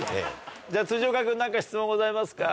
じゃあ岡君何か質問ございますか？